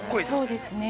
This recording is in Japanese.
◆そうですね。